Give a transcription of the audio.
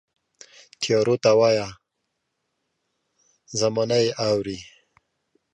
تیارو ته وایه، زمانه یې اورې